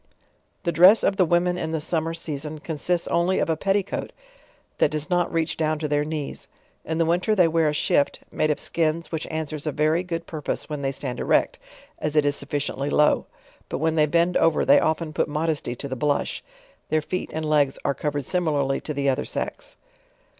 The dress of the women in the summer season consists only of a petticoat that does not reach down to their knees. In the winter they wear a shift, rnaJe of skins which an swers a very good purpose when they stand erect, as it is sufficiently low. but when they bend over they often put mod esty to the blush. .Their feet and legs are covered similarly to the other sex.